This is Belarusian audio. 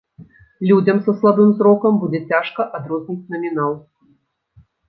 Людзям са слабым зрокам будзе цяжка адрозніць намінал.